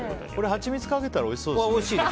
ハチミツかけたらおいしいですね。